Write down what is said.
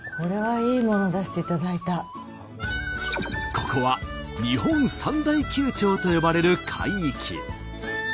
ここは「日本三大急潮」と呼ばれる海域。